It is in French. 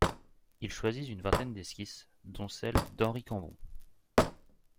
Il choisit une vingtaine d’esquisses, dont celle d’Henri Cambon.